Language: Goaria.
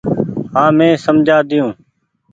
هآنٚ مينٚ سمجهآ ۮيو